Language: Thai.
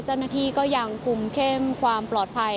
เจ้าหน้าที่ก็ยังคุมเข้มความปลอดภัย